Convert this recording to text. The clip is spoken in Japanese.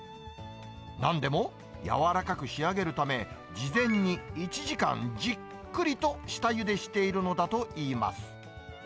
なんでも柔らかく仕上げるため、事前に１時間じっくりと下ゆでしているのだといいます。